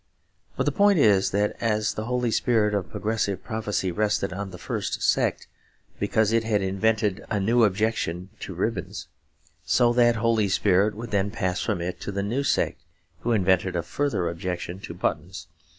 But the point is that as the holy spirit of progressive prophesy rested on the first sect because it had invented a new objection to ribbons, so that holy spirit would then pass from it to the new sect who invented a further objection to buttons.